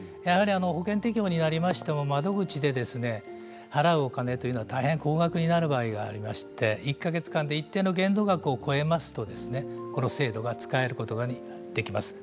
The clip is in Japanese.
保険適用になりましても窓口で払うお金は大変高額になる場合がありまして、１か月間で一定の限度額を超えますとこの制度が使えることができます。